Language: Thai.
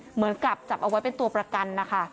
เหมือนกับจับเอาไว้เป็นตัวประกันนะคะ